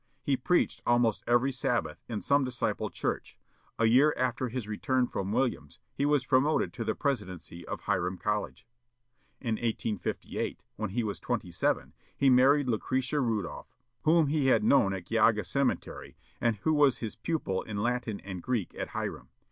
He preached almost every Sabbath in some Disciple church. A year after his return from Williams he was promoted to the presidency of Hiram College. In 1858, when he was twenty seven, he married Lucretia Rudolph, whom he had known at Geauga Seminary, and who was his pupil in Latin and Greek at Hiram.